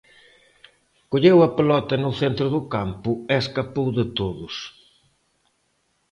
Colleu a pelota no centro do campo e escapou de todos.